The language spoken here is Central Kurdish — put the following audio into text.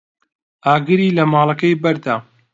ئاگری لە ماڵەکەی بەردا.